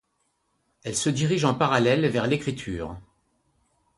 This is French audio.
Elle se dirige en parallèle vers l’écriture.